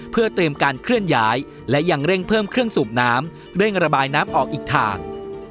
เพื่อเตรียมการเคลื่อนย้ายและยังเร่งเพิ่มเครื่องสูบน้ำเร่งระบายน้ำออกอีกทาง